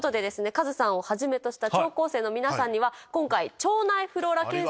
カズさんをはじめとした聴講生の皆さんには今回。